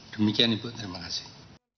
demikian ibu terima kasih